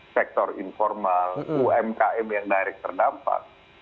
sektor informal umkm yang naik terdampak